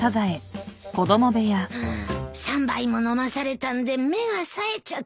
うん３杯も飲まされたんで目がさえちゃって。